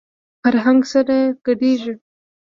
فرهنګ سره ګډېږي.